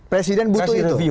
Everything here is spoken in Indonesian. presiden butuh itu